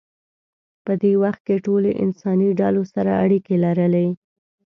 په دې وخت کې ټولو انساني ډلو سره اړیکې لرلې.